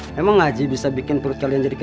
eh emang ngaji bisa bikin perut kalian jadi keras